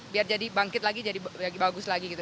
biar jadi bangkit lagi jadi bagus lagi gitu